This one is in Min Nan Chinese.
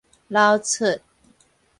流出